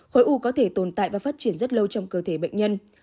khối u có thể tồn tại và phát triển rất lâu trong cơ thể bệnh nhân